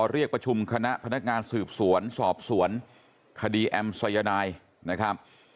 เรียกประชุมคณะพนักงานสืบสวนสอบสวนคดีแอมสายนายนะครับ